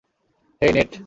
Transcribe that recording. হেই, net.